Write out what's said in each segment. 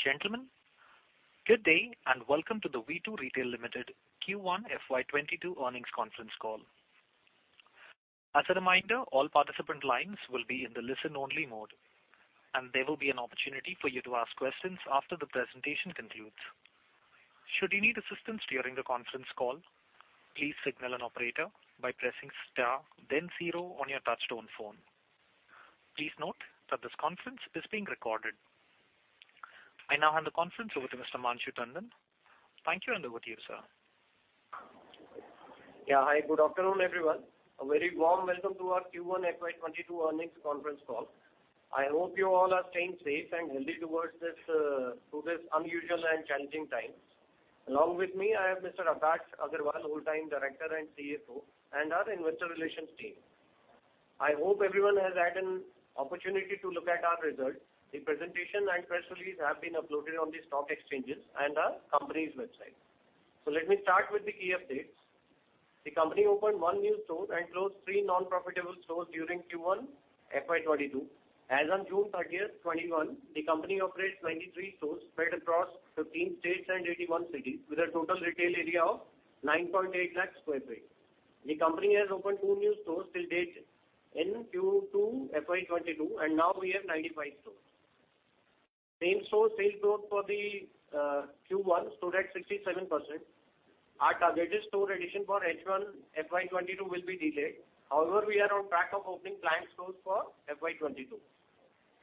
Ladies and gentlemen, good day, and welcome to the V2 Retail Ltd Q1 FY 2022 earnings conference call. As a reminder, all participant lines will be in the listen-only mode, and there will be an opportunity for you to ask questions after the presentation concludes. Should you need assistance during the conference call, please signal an operator by pressing star then zero on your touch-tone phone. Please note that this conference is being recorded. I now hand the conference over to Mr. Manshu Tandon. Thank you, and over to you, sir. Yeah. Hi. Good afternoon, everyone. A very warm welcome to our Q1 FY 2022 earnings conference call. I hope you all are staying safe and healthy towards this through this unusual and challenging times. Along with me, I have Mr. Akash Agarwal, Whole Time Director and CFO, and our investor relations team. I hope everyone has had an opportunity to look at our results. The presentation and press release have been uploaded on the stock exchanges and our company's website. Let me start with the key updates. The company opened one new store and closed three non-profitable stores during Q1 FY22. As on June 30, 2021, the company operates 23 stores spread across 15 states and 81 cities with a total retail area of 9.8 lakh sq ft. The company has opened two new stores till date in Q2 FY 2022. Now we have 95 stores. Same-store sales growth for the Q1 stood at 67%. Our targeted store addition for H1 FY 2022 will be delayed. However, we are on track of opening planned stores for FY 2022.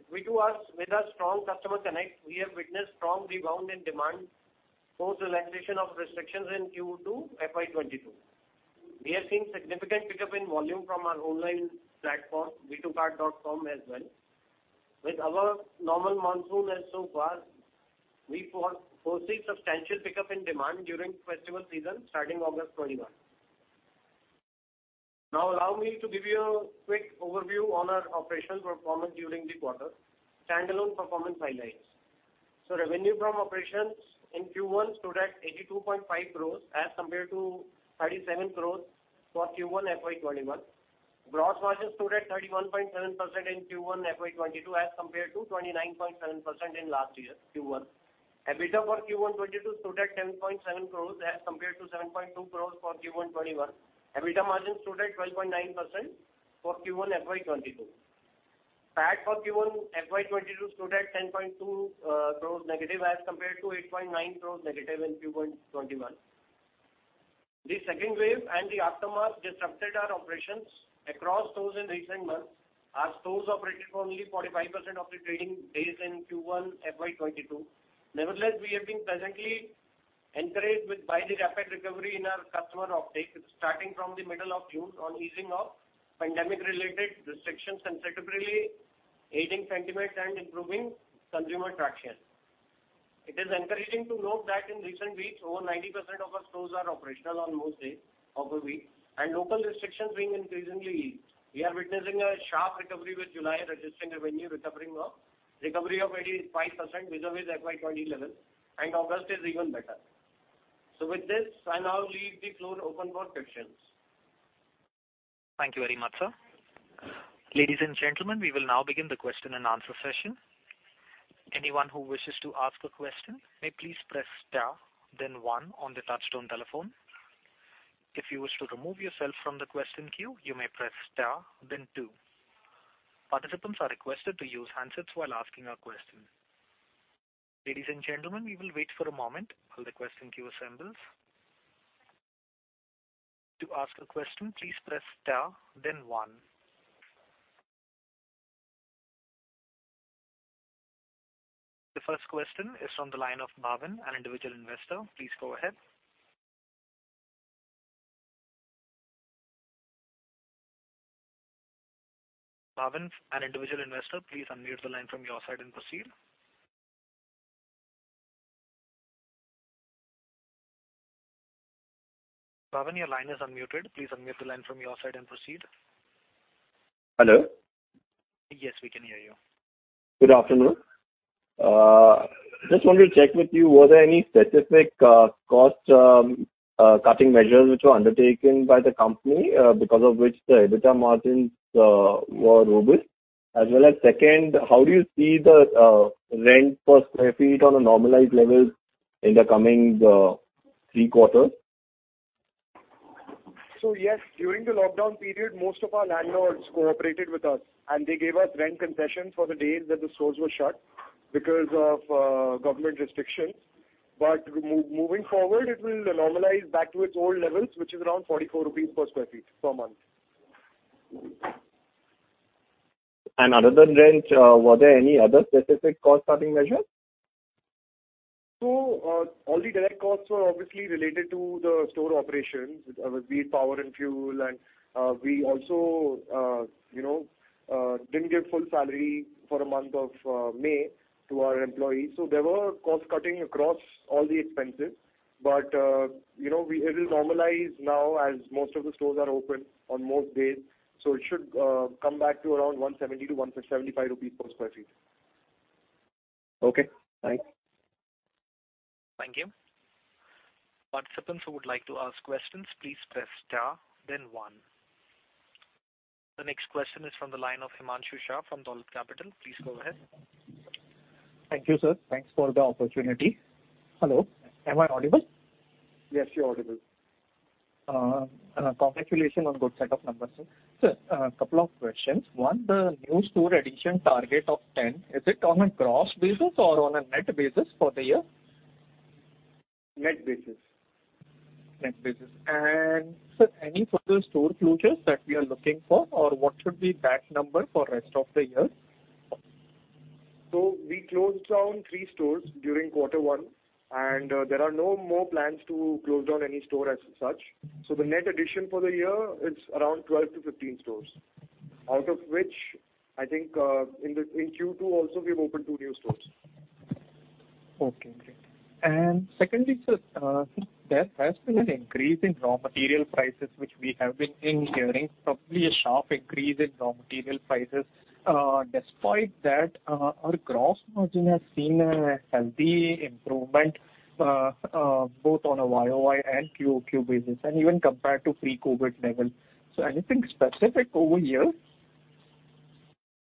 With our strong customer connect, we have witnessed strong rebound in demand post relaxation of restrictions in Q2 FY 2022. We have seen significant pickup in volume from our online platform, v2kart.com as well. With above normal monsoon as so far, we foresee substantial pickup in demand during festival season starting August 21. Now allow me to give you a quick overview on our operational performance during the quarter. Standalone performance highlights. Revenue from operations in Q1 stood at 82.5 crores as compared to 37 crore for Q1 FY 2021. Gross margins stood at 31.7% in Q1 FY 2022 as compared to 29.7% in last year Q1. EBITDA for Q1 2022 stood at 10.7 crore as compared to 7.2 crore for Q1 2021. EBITDA margin stood at 12.9% for Q1 FY 2022. PAT for Q1 FY 2022 stood at -10.2 crore as compared to -8.9 crore in Q1 2021. The second wave and the aftermath disrupted our operations across stores in recent months. Our stores operated for only 45% of the trading days in Q1 FY 2022. Nevertheless, we have been pleasantly encouraged by the rapid recovery in our customer offtakes starting from the middle of June on easing of pandemic related restrictions and subsequently aiding sentiment and improving consumer traction. It is encouraging to note that in recent weeks over 90% of our stores are operational on most days of the week and local restrictions being increasingly eased. We are witnessing a sharp recovery with July registering revenue recovery of 85% vis-a-vis FY 2020-level, August is even better. With this, I now leave the floor open for questions. Thank you very much, sir. Ladies and gentlemen, we will now begin the question-and-answer session. Anyone who wishes to ask a question may please press star then one on the touchtone telephone. If you wish to remove yourself from the question queue, you may press star then two. Participants are requested to use handsets while asking a question. Ladies and gentlemen, we will wait for a moment while the question queue assembles. To ask a question, please press star then one. The first question is from the line of Bhavin, an Individual Investor. Please go ahead. Bhavin, an Individual Investor, please unmute the line from your side and proceed. Bhavin, your line is unmuted. Please unmute the line from your side and proceed. Hello. Yes, we can hear you. Good afternoon. Just wanted to check with you, was there any specific cost cutting measures which were undertaken by the company, because of which the EBITDA margins were robust? As well as second, how do you see the rent per square feet on a normalized level in the coming three quarters? Yes, during the lockdown period, most of our landlords cooperated with us, and they gave us rent concessions for the days that the stores were shut because of government restrictions. Moving forward, it will normalize back to its old levels, which is around 44 rupees per sq ft per month. Other than rent, were there any other specific cost-cutting measures? All the direct costs were obviously related to the store operations, with the power and fuel and, we also, you know, didn't give full salary for the month of May to our employees. There were cost-cutting across all the expenses. You know, it will normalize now as most of the stores are open on most days, so it should come back to around 170-175 rupees per sq ft. Okay, thanks. Thank you. Participants who would like to ask questions, please press star then one. The next question is from the line of Himanshu Shah from Dolat Capital. Please go ahead. Thank you, sir. Thanks for the opportunity. Hello, am I audible? Yes, you're audible. Congratulations on good set of numbers. A couple of questions. One, the new store addition target of 10, is it on a gross basis or on a net basis for the year? Net basis. Net basis. Sir, any further store closures that we are looking for or what should be that number for rest of the year? We closed down three stores during quarter one and there are no more plans to close down any store as such. The net addition for the year is around 12-15 stores. Out of which I think, in the, in Q2 also we've opened two new stores. Okay, great. Secondly, sir, there has been an increase in raw material prices which we have been hearing, probably a sharp increase in raw material prices. Despite that, our gross margin has seen a healthy improvement, both on a YoY and QoQ basis and even compared to pre-COVID levels. Anything specific over here?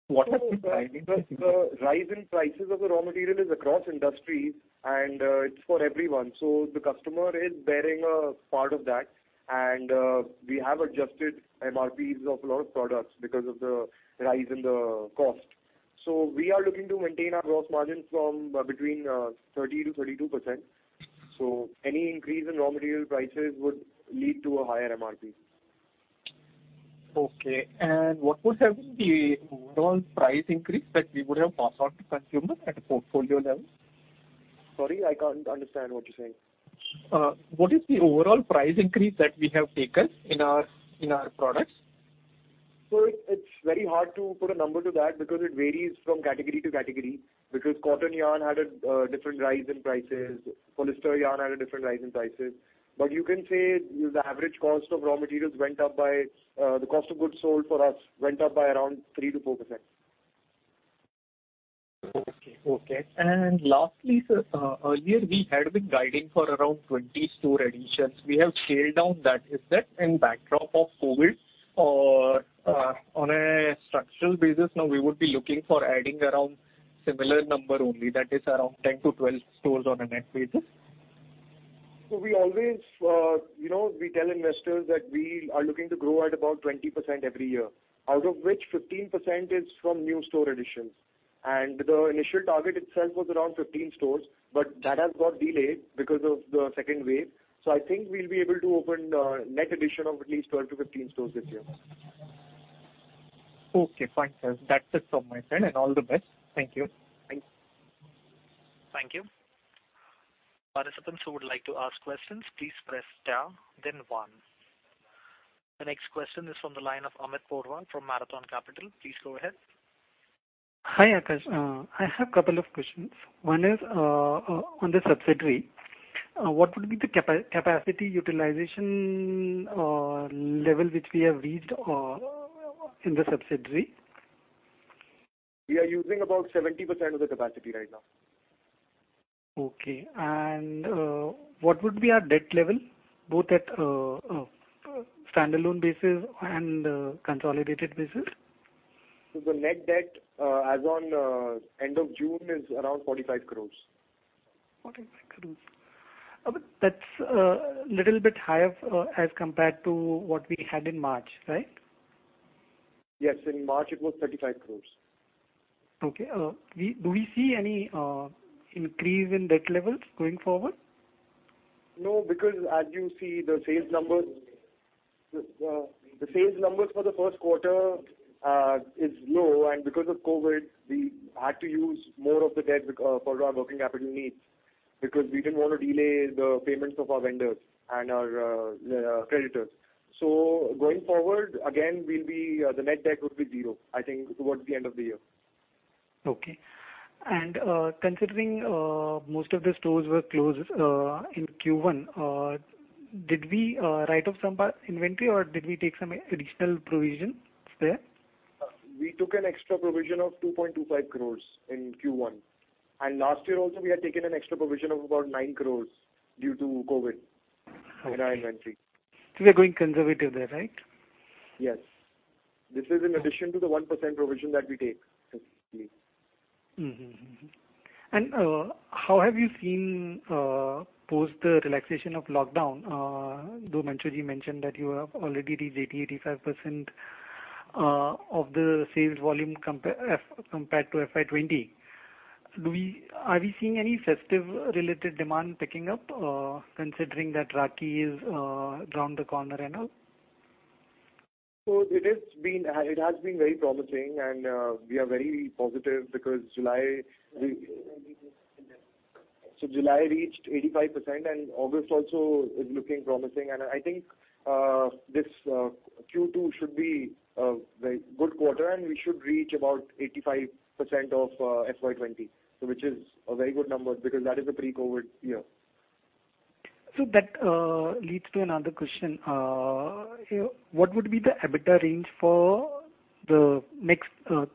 What has been driving this? The rise in prices of the raw material is across industries and it's for everyone. The customer is bearing a part of that. We have adjusted MRPs of a lot of products because of the rise in the cost. We are looking to maintain our gross margin from between 30%-32%. Any increase in raw material prices would lead to a higher MRP. Okay. What would have been the overall price increase that we would have passed on to consumers at a portfolio level? Sorry, I can't understand what you're saying. What is the overall price increase that we have taken in our products? It's very hard to put a number to that because it varies from category to category because cotton yarn had a different rise in prices, polyester yarn had a different rise in prices. You can say the average cost of raw materials went up by the cost of goods sold for us went up by around 3%-4%. Okay, okay. Lastly, sir, earlier we had been guiding for around 20 store additions. We have scaled down that. Is that in backdrop of COVID or, on a structural basis now we would be looking for adding around similar number only that is around 10-12 stores on a net basis? We always, you know, we tell investors that we are looking to grow at about 20% every year, out of which 15% is from new store additions. The initial target itself was around 15 stores, that has got delayed because of the second wave. I think we'll be able to open the net addition of at least 12-15 stores this year. Okay, fine, sir. That's it from my side. All the best. Thank you. Thanks. Thank you. Participants who would like to ask questions, please press star then one. The next question is from the line of Amit Porwal from Marathon Capital. Please go ahead. Hi, Akash. I have a couple of questions. One is on the subsidiary, what would be the capacity utilization level which we have reached in the subsidiary? We are using about 70% of the capacity right now. Okay. What would be our debt level both at a standalone basis and a consolidated basis? The net debt, as on, end of June is around 45 crore. 45 crore. That's a little bit higher as compared to what we had in March, right? Yes. In March it was 35 crore. Okay. Do we see any increase in debt levels going forward? No, because as you see the sales numbers, the sales numbers for the first quarter is low. Because of COVID, we had to use more of the debt for our working capital needs because we didn't want to delay the payments of our vendors and our creditors. Going forward again we'll be, the net debt would be zero, I think towards the end of the year. Okay. Considering most of the stores were closed in Q1, did we write off some inventory or did we take some additional provisions there? We took an extra provision of 2.25 crore in Q1. Last year also we had taken an extra provision of about 9 crore due to COVID in our inventory. We are going conservative there, right? Yes. This is in addition to the 1% provision that we take usually. How have you seen post the relaxation of lockdown? Though Manshu mentioned that you have already reached 80%, 85% of the sales volume compared to FY 2020. Are we seeing any festive related demand picking up, considering that Rakhi is around the corner and all? It has been very promising and we are very positive because July reached 85%, and August also is looking promising. I think this Q2 should be a very good quarter, and we should reach about 85% of FY 2020, which is a very good number because that is a pre-COVID year. That leads to another question. What would be the EBITDA range for the next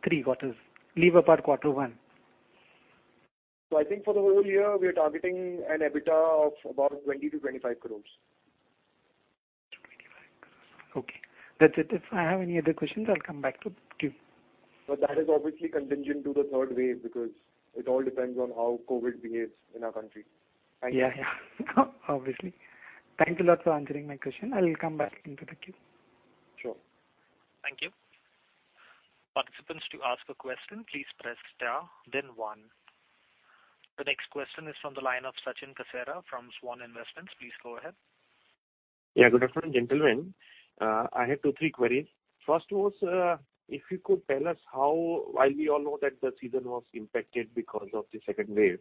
three quarters? Leave apart quarter one. I think for the whole year we are targeting an EBITDA of about 20 crore-25 crore. INR 20 crore-INR 25 crore. Okay. That's it. If I have any other questions, I'll come back to you. That is obviously contingent to the third wave, because it all depends on how COVID behaves in our country. Thank you. Yeah, obviously. Thank you a lot for answering my question. I will come back into the queue. Sure. Thank you. Participants, to ask a question, please press star then one. The next question is from the line of Sachin Kasera from Svan Investments. Please go ahead. Yeah, good afternoon, gentlemen. I have two, three queries. First was, if you could tell us how while we all know that the season was impacted because of the second wave,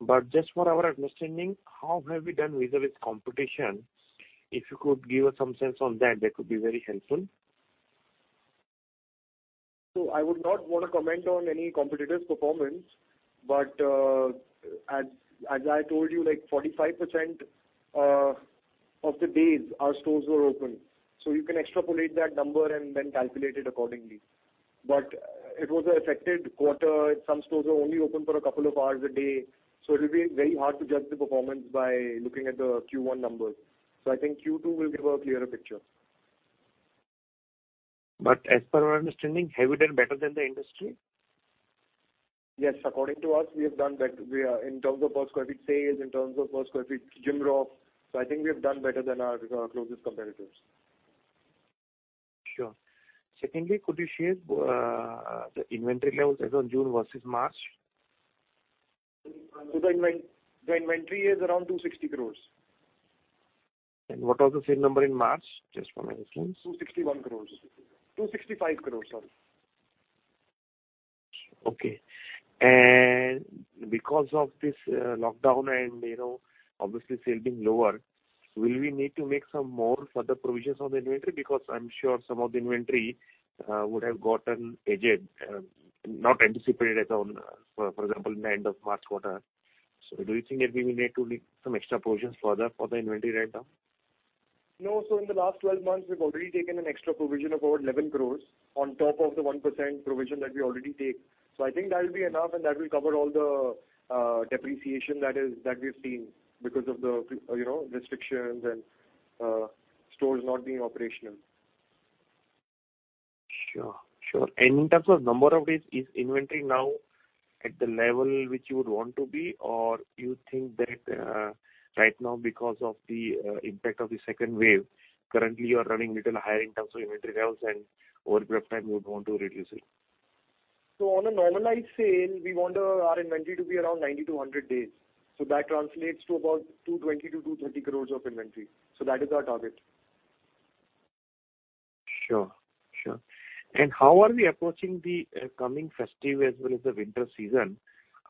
but just for our understanding, how have we done vis-a-vis competition? If you could give us some sense on that could be very helpful. I would not want to comment on any competitor's performance, but as I told you, like 45% of the days our stores were open, you can extrapolate that number and then calculate it accordingly. It was an affected quarter. Some stores were only open for a couple of hours a day, it will be very hard to judge the performance by looking at the Q1 numbers. I think Q2 will give a clearer picture. As per our understanding, have we done better than the industry? Yes. According to us, we have done better. We are in terms of per square feet sales, in terms of per square feet gross margin, so I think we have done better than our closest competitors. Sure. Secondly, could you share the inventory levels as of June versus March? The inventory is around 260 crore. What was the same number in March, just for my understanding? 261 crore. 265 crore, sorry. Okay. Because of this lockdown and, you know, obviously sales being lower, will we need to make some more further provisions on the inventory? Because I'm sure some of the inventory would have gotten aged, not anticipated at all, for example, in the end of March quarter. Do you think that we will need to leave some extra provisions further for the inventory right now? In the last 12 months, we've already taken an extra provision of about 11 crore on top of the 1% provision that we already take. I think that will be enough, and that will cover all the depreciation that we've seen because of the, you know, restrictions and stores not being operational. Sure, sure. In terms of number of days, is inventory now at the level which you would want to be, or you think that right now because of the impact of the second wave, currently you are running little higher in terms of inventory levels, and over a period of time you would want to reduce it? On a normalized sale, we want our inventory to be around 90-100 days. That translates to about 220 crore-230 crore of inventory. That is our target. Sure, sure. How are we approaching the coming festive as well as the winter season?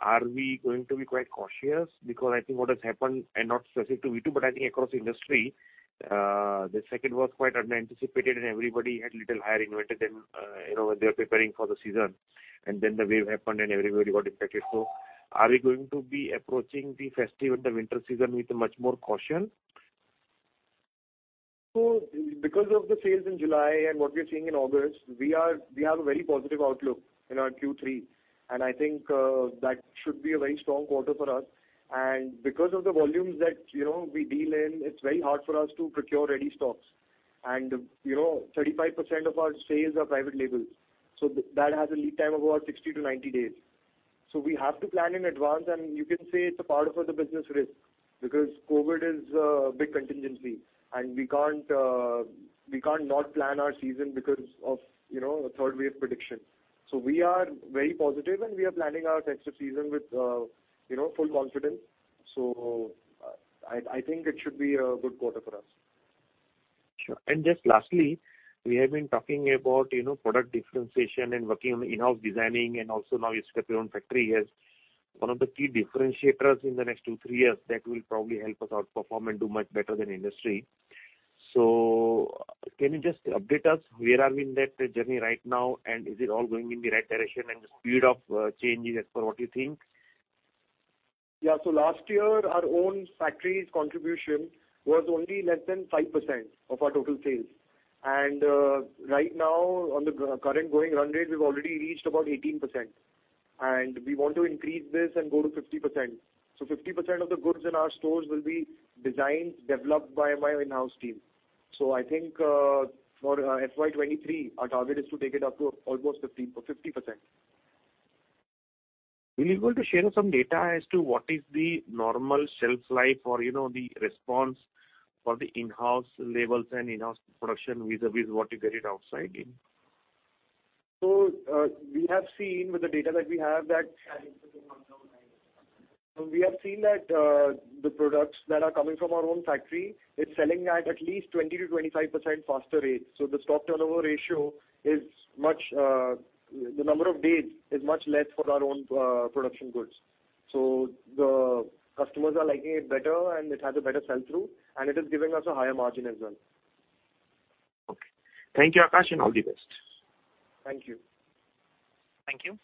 Are we going to be quite cautious? I think what has happened, and not specific to V2, but I think across industry, the second was quite unanticipated, and everybody had little higher inventory than, you know, when they were preparing for the season. Then the wave happened and everybody got impacted. Are we going to be approaching the festive and the winter season with much more caution? Because of the sales in July and what we are seeing in August, we have a very positive outlook in our Q3. I think that should be a very strong quarter for us. Because of the volumes that, you know, we deal in, it's very hard for us to procure ready stocks. You know, 35% of our sales are private labels, so that has a lead time of about 60-90 days. We have to plan in advance, and you can say it's a part of our business risk, because COVID is a big contingency and we can't not plan our season because of, you know, a third wave prediction. We are very positive, and we are planning our festive season with, you know, full confidence. I think it should be a good quarter for us. Sure. Just lastly, we have been talking about, you know, product differentiation and working on in-house designing and also now you set your own factory as one of the key differentiators in the next two, three years that will probably help us outperform and do much better than industry. Can you just update us where are we in that journey right now, and is it all going in the right direction and the speed of changes as per what you think? Last year our own factory's contribution was only less than 5% of our total sales. Right now, on the current going run rate, we've already reached about 18%, and we want to increase this and go to 50%. 50% of the goods in our stores will be designed, developed by my in-house team. I think for FY 2023, our target is to take it up to almost 50%. Will you be able to share some data as to what is the normal shelf life or, you know, the response for the in-house labels and in-house production vis-a-vis what you get it outside in? We have seen with the data that we have, we have seen that the products that are coming from our own factory, it's selling at least 20%-25% faster rates. The stock turnover ratio is much, the number of days is much less for our own production goods. The customers are liking it better and it has a better sell-through, and it is giving us a higher margin as well. Okay. Thank you, Akash, and all the best. Thank you. Thank you.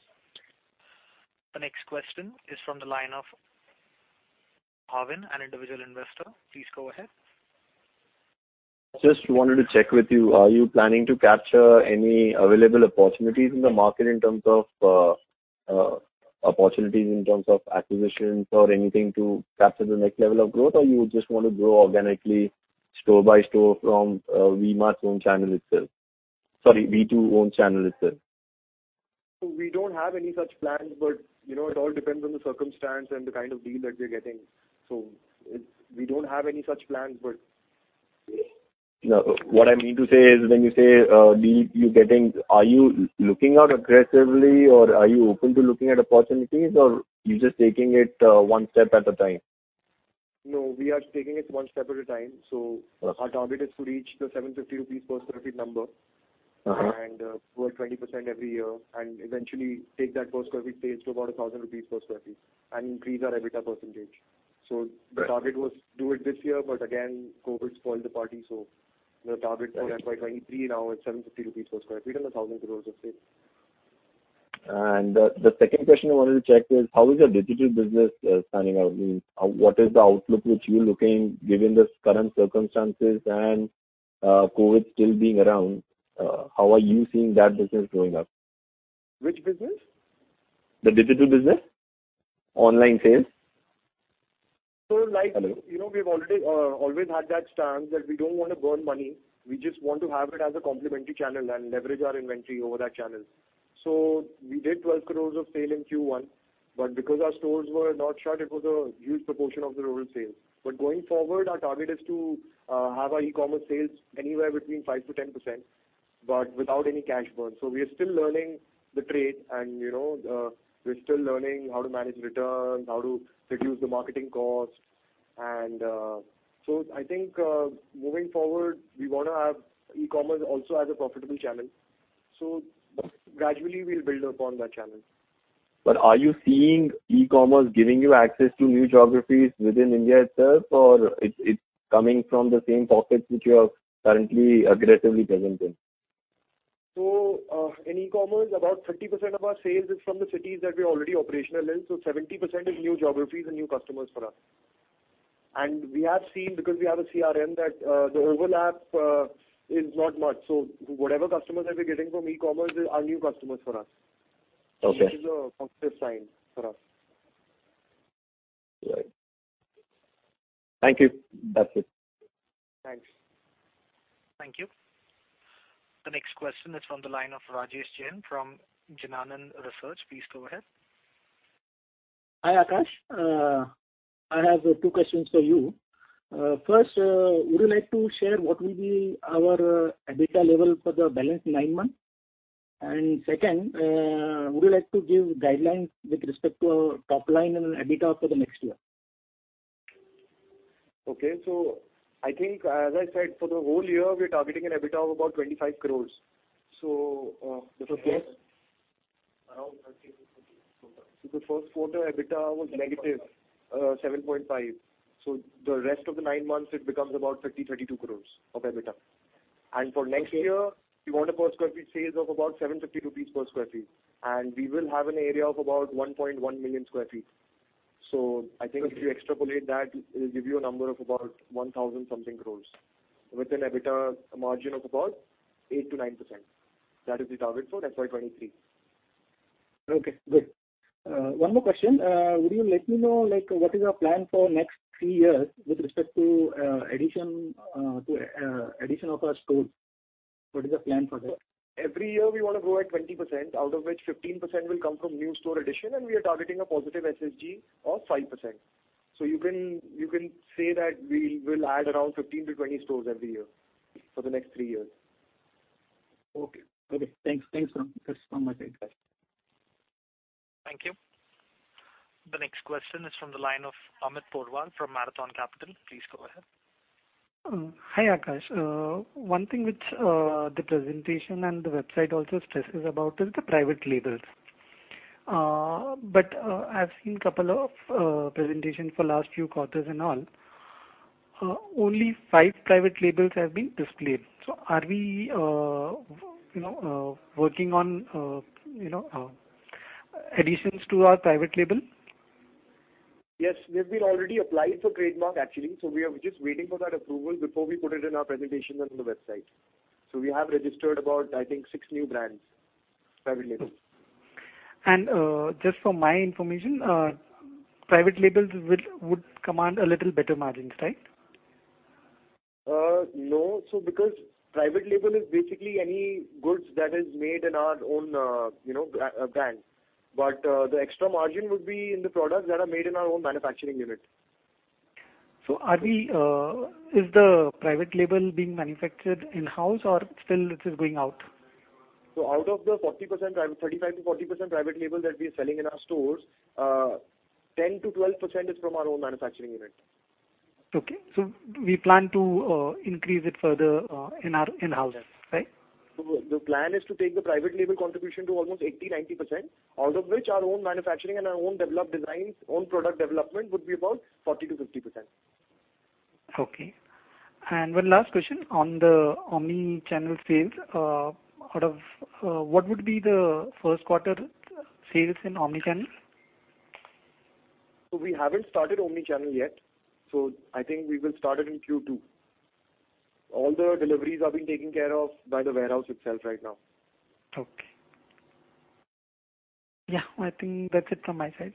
The next question is from the line of Bhavin, an Individual Investor. Please go ahead. Just wanted to check with you. Are you planning to capture any available opportunities in the market in terms of opportunities in terms of acquisitions or anything to capture the next level of growth or you just want to grow organically store by store from V2 own channel itself. We don't have any such plans, but, you know, it all depends on the circumstance and the kind of deal that we're getting. No, what I mean to say is when you say, deal you're getting, are you looking out aggressively or are you open to looking at opportunities or you're just taking it, one step at a time? No, we are taking it one step at a time. Our target is to reach the 750 rupees per sq ft number. Grow at 20% every year and eventually take that per square feet sales to about 1,000 rupees per square feet and increase our EBITDA percentage. The target was do it this year, but again, COVID spoiled the party. The target for FY 2023 now is 750 rupees per sq ft and 1,000 crore of sales. The second question I wanted to check is how is your digital business panning out? I mean, what is the outlook which you're looking given this current circumstances and COVID still being around, how are you seeing that business going up? Which business? The digital business. Online sales. So like- Hello. You know, we've already always had that stance that we don't wanna burn money. We just want to have it as a complementary channel and leverage our inventory over that channel. We did 12 crore of sale in Q1, but because our stores were not shut, it was a huge proportion of the overall sales. Going forward, our target is to have our e-commerce sales anywhere between 5%-10%, but without any cash burn. We are still learning the trade and, you know, we're still learning how to manage returns, how to reduce the marketing costs and, so I think, moving forward, we wanna have e-commerce also as a profitable channel. Gradually we'll build upon that channel. Are you seeing e-commerce giving you access to new geographies within India itself or it's coming from the same pockets which you are currently aggressively present in? In e-commerce, about 30% of our sales is from the cities that we're already operational in, 70% is new geographies and new customers for us. We have seen, because we have a CRM, that the overlap is not much. Whatever customers that we're getting from e-commerce are new customers for us. Okay. Which is a positive sign for us. Right. Thank you. That's it. Thanks. Thank you. The next question is from the line of Rajesh Jain from Jinanand Research. Please go ahead. Hi, Akash. I have two questions for you. First, would you like to share what will be our EBITDA level for the balance nine months? Second, would you like to give guidelines with respect to our top line and EBITDA for the next year? Okay. I think, as I said, for the whole year, we're targeting an EBITDA of about 25 crore. Around INR 30 crore-INR 40 crore. The first quarter EBITDA was -7.5. The rest of the 9 months it becomes about 30 crore-32 crore of EBITDA. For next year, we want a per square feet sales of about 750 rupees per sq ft. We will have an area of about 1.1 million sq ft. I think if you extrapolate that, it'll give you a number of about 1,000 something crore with an EBITDA margin of about 8%-9%. That is the target for FY 2023. Okay, good. One more question. Would you let me know, like, what is your plan for next three years with respect to addition to addition of our stores? What is the plan for that? Every year we wanna grow at 20%, out of which 15% will come from new store addition, and we are targeting a positive SSG of 5%. You can say that we'll add around 15-20 stores every year for the next three years. Okay. Okay. Thanks. Thanks for That's all my side, guys. Thank you. The next question is from the line of Amit Porwal from Marathon Capital. Please go ahead. hi, Akash. one thing which the presentation and the website also stress about is the private labels. I've seen couple of presentation for last few quarters and all, only five private labels have been displayed. Are we, you know, working on, you know, additions to our private label? Yes, we've been already applied for trademark actually. We are just waiting for that approval before we put it in our presentation and on the website. We have registered about, I think, six new brands, private labels. Just from my information, private labels would command a little better margin, right? No. Because private label is basically any goods that is made in our own, you know, brand. The extra margin would be in the products that are made in our own manufacturing unit. Is the private label being manufactured in-house or still it is going out? Out of the 35%-40% private label that we're selling in our stores, 10%-12% is from our own manufacturing unit. Okay. We plan to increase it further in our in-house then, right? The plan is to take the private label contribution to almost 80%, 90%, out of which our own manufacturing and our own developed designs, own product development would be about 40%-50%. Okay. one last question on the omni-channel sales. out of what would be the first quarter sales in omni-channel? We haven't started omni-channel yet, so I think we will start it in Q2. All the deliveries are being taken care of by the warehouse itself right now. I think that's it from my side.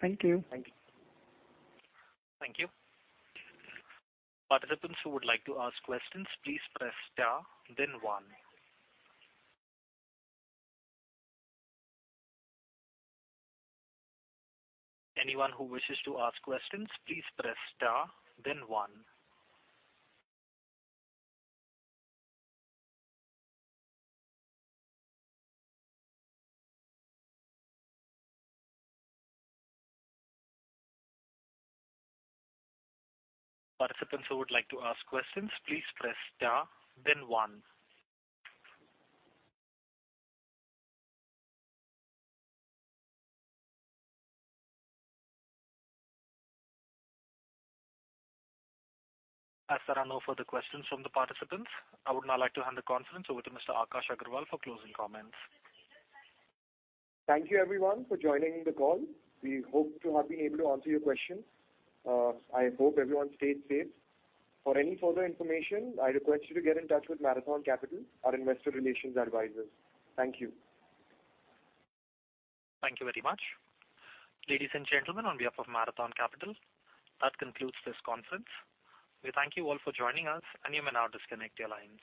Thank you. Thank you. Thank you. As there are no further questions from the participants, I would now like to hand the conference over to Mr. Akash Agarwal for closing comments. Thank you everyone for joining the call. We hope to have been able to answer your questions. I hope everyone stays safe. For any further information, I request you to get in touch with Marathon Capital, our investor relations advisors. Thank you. Thank you very much. Ladies and gentlemen, on behalf of Marathon Capital, that concludes this conference. We thank you all for joining us, and you may now disconnect your lines.